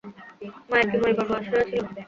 মায়ের কি মরিবার বয়স হইয়াছিল?